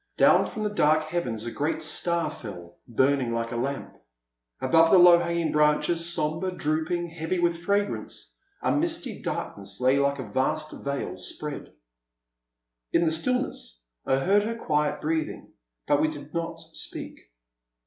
Down from the dark heavens a great star fell, burning like a lamp. Above the low hanging branches, sombre, drooping, heavy with fragrance, a misty darkness lay like a vast veil spread. In the stillness I heard her quiet breathing, but we did not speak.